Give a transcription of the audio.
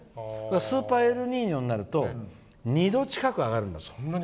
スーパーエルニーニョになると２度近く上がるって。